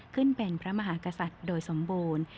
ขึ้นเป็นพระมหากษัตริย์โดยสมบูรณ์